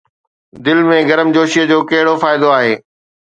دل ۾ گرمجوشيءَ جو ڪهڙو فائدو؟